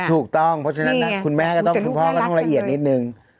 ถูกต้องเพราะฉะนั้นคุณพ่อก็ต้องละเอียดนิดนึง